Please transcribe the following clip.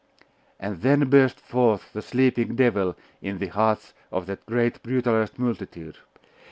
And then burst forth the sleeping devil in the hearts of that great brutalised multitude.